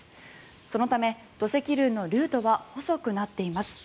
そのため土石流のルートは細くなっています。